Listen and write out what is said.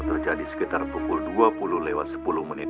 terjadi sekitar pukul dua puluh lewat sepuluh menit